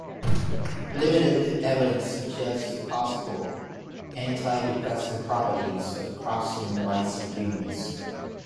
Limited evidence suggests possible antidepressant properties of crocin in mice and humans.